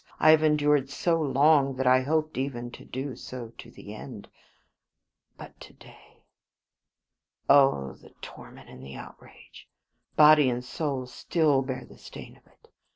I have endured so long that I hoped even to do so to the end. But to day! Oh! the torment and the outrage: body and soul still bear the stain of it.